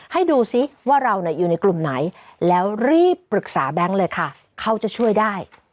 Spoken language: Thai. ให้ดูซิว่าเราอยู่ในกลุ่มไหนแล้วรีบปรึกษาแบงค์เลยค่ะเขาจะช่วยได้